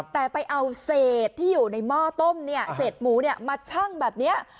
แต่ไปเอาเศษที่อยู่ในหม้อต้มเนี่ยเศษหมูมาชั่งแบบนี้